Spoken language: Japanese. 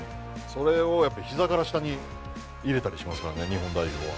それを膝から下に入れたりしますからね日本代表は。